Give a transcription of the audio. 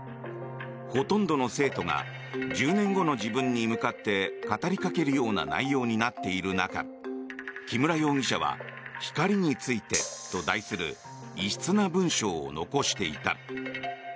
ほとんどの生徒が１０年後の自分に向かって語りかけるような内容になっている中木村容疑者は「光について」と題する異質な文章を残していた。